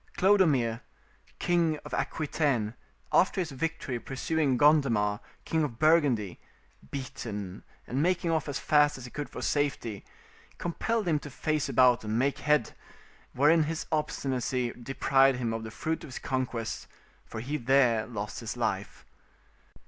Clodomir, king of Aquitaine, after his victory pursuing Gondemar, king of Burgundy, beaten and making off as fast as he could for safety, compelled him to face about and make head, wherein his obstinacy deprived him of the fruit of his conquest, for he there lost his life.